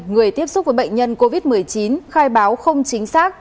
người tiếp xúc với bệnh nhân covid một mươi chín khai báo không chính xác